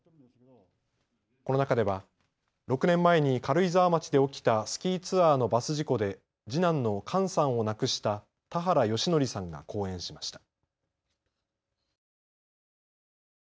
この中では６年前に軽井沢町で起きたスキーツアーのバス事故で次男の寛さんを亡くした田原義則さんが講演しました。